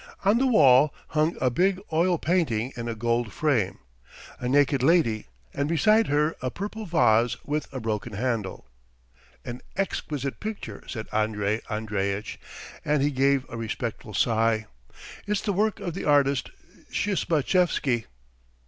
On the wall hung a big oil painting in a gold frame a naked lady and beside her a purple vase with a broken handle. "An exquisite picture," said Andrey Andreitch, and he gave a respectful sigh. "It's the work of the artist Shismatchevsky."